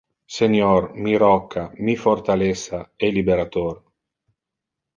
Senior, mi rocca, mi fortalessa e liberator.